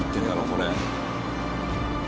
これ。